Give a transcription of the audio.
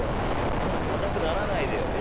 そんな堅くならないでよ。え？